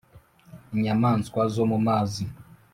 Inyamaswa zo mu mazi